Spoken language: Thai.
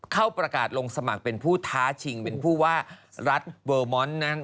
เข้าประกาศลงสมัครเป็นผู้ท้าชิงเป็นผู้ว่ารัฐเวอร์มอนด์นั้น